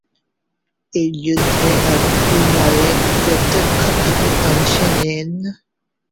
এই যুদ্ধে আবদুল মালেক প্রত্যক্ষভাবে অংশ নেন।